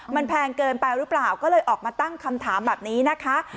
มันแพงเกินไปหรือเปล่าก็เลยออกมาตั้งคำถามแบบนี้นะคะ